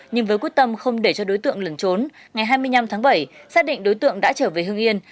nhưng với quyết tâm không để cho đối tượng lẩn trốn ngày hai mươi năm tháng bảy xác định đối tượng đã trở về hương yên